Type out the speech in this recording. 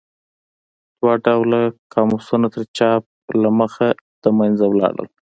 دغه دوه قاموسونه تر چاپ د مخه له منځه لاړل.